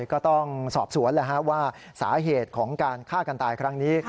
ก็ต้องสอบสวนว่าสาเหตุของการฆ่ากันตายครั้งนี้